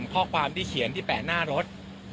ข้อความที่เขียนที่แปะหน้ารถ